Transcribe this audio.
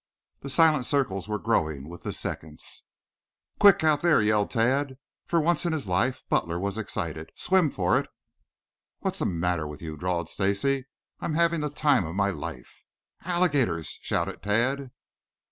The silent circles were growing with the seconds. "Quick! Out of there!" yelled Tad. For once in his life, Butler was excited. "Swim for it!" "What's the matter with you?" drawled Stacy. "I'm having the time of my life " "Alligators!" shouted Tad.